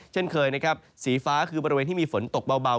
เช่นเคยนะครับสีฟ้าคือบริเวณที่มีฝนตกเบา